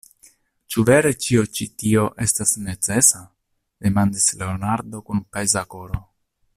Ĉu vere ĉio ĉi tio estas necesa? demandis Leonardo kun peza koro.